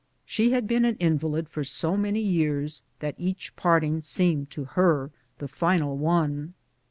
She had been an invalid for so many years that each parting seemed to lier the final one.